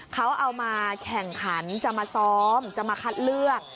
เขาเอามาแข่งขันจะมาซ้อมจะมาคัดเลือก